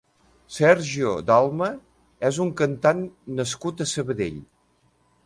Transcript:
Sergio Dalma és un cantant nascut a Sabadell.